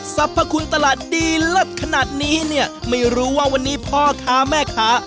สรรพคุณตลาดดีเลิศขนาดนี้เนี่ยไม่รู้ว่าวันนี้พ่อค้าแม่ค้า